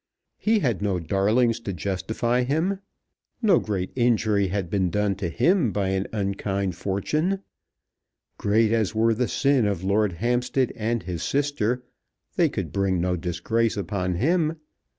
He had no darlings to justify him! No great injury had been done to him by an unkind fortune! Great as were the sin of Lord Hampstead and his sister, they could bring no disgrace upon him!